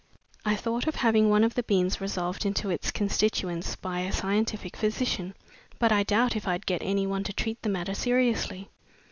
I thought of having one of the beans resolved into its constituents by a scientific physician, but I doubt if I'd get any one to treat the matter seriously.